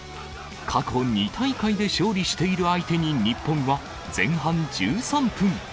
過去２大会で勝利している相手に日本は、前半１３分。